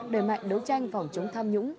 đề mạnh đấu tranh phòng chống tham nhũng